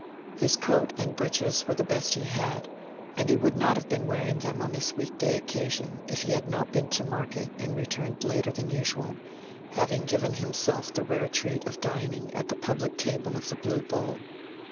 His coat and breeches were the best he had, and he would not have been wearing them on this weekday occasion if he had not been to market and returned later than usual, having given himself the rare treat of dining at the public table of the Blue Bull.